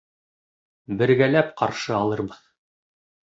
Бергәләп ҡаршы алырбыҙ.